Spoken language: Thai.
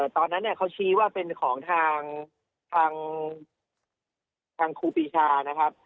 ตอนนั้นเขาชี้ว่าเป็นของทางครูปีชานะครับ